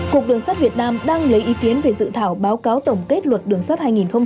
cục đường sắt việt nam đang lấy ý kiến về dự thảo báo cáo tổng kết luật đường sắt hai nghìn một mươi chín